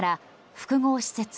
複合施設